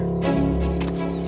baiklah terima kasih bang